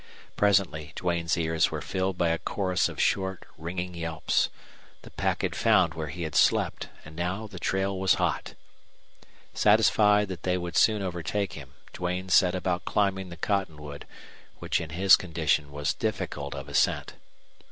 Presently Duane's ears were filled by a chorus of short ringing yelps. The pack had found where he had slept, and now the trail was hot. Satisfied that they would soon overtake him, Duane set about climbing the cottonwood, which in his condition was difficult of ascent.